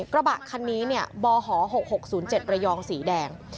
กระบะคันนี้บห๖๖๐๗ระยองสีแดง